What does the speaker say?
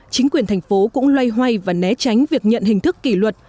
chính quyền thành phố cũng loay hoay và né tránh việc nhận hình thức kỷ luật